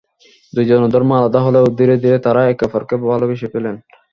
দুজনের ধর্ম আলাদা হলেও ধীরে ধীরে তারা একে অপরকে ভালোবেসে ফেলেন।